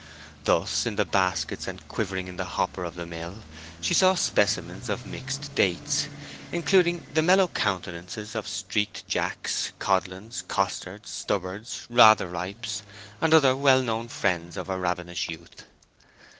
Thus, in the baskets, and quivering in the hopper of the mill, she saw specimens of mixed dates, including the mellow countenances of streaked jacks, codlins, costards, stubbards, ratheripes, and other well known friends of her ravenous youth.